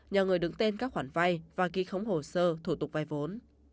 nhờ người đứng tên các khoản vai và ký khống hồ sơ thủ tục vai vốn